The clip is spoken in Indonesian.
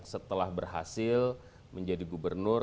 setelah berhasil menjadi gubernur